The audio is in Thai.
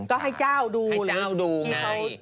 ก็ให้เจ้าดูให้เจ้าดูนะ